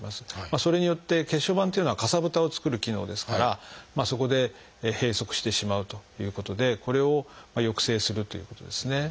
それによって血小板というのはかさぶたを作る機能ですからそこで閉塞してしまうということでこれを抑制するということですね。